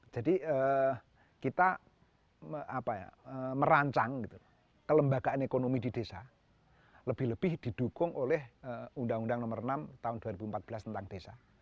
jadi kita merancang kelembagaan ekonomi di desa lebih lebih didukung oleh undang undang nomor enam tahun dua ribu empat belas tentang desa